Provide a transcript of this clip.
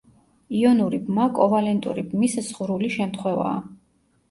იონური ბმა კოვალენტური ბმის ზღვრული შემთხვევაა.